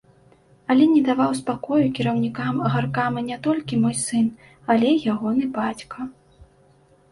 Але не даваў спакою кіраўнікам гаркама не толькі мой сын, але ягоны бацька.